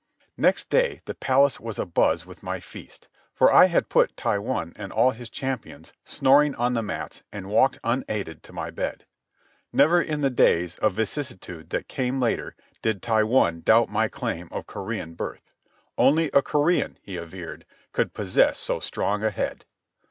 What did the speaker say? Next day the palace was a buzz with my feast, for I had put Taiwun and all his champions snoring on the mats and walked unaided to my bed. Never, in the days of vicissitude that came later, did Taiwun doubt my claim of Korean birth. Only a Korean, he averred, could possess so strong a head.